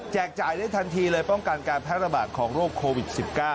จ่ายได้ทันทีเลยป้องกันการแพร่ระบาดของโรคโควิด๑๙